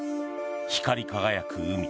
光り輝く海。